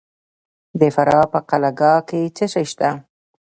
د فراه په قلعه کاه کې څه شی شته؟